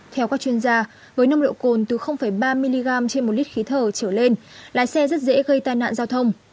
theo các chuyên gia với nồng độ cồn từ ba mg trên một lít khí thở trở lên lái xe rất dễ gây tai nạn giao thông